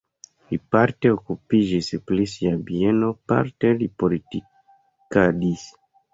Li parte okupiĝis pri sia bieno, parte li politikadis.